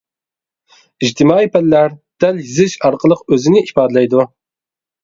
ئىجتىمائىي پەنلەر دەل يېزىش ئارقىلىق ئۆزىنى ئىپادىلەيدۇ.